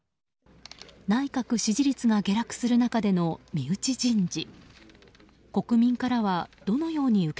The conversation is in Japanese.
内閣支持率が下落する中での身内人事。